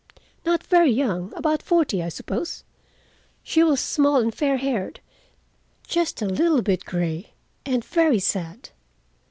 "Not very young. About forty, I suppose. She was small and fair haired, just a little bit gray, and very sad.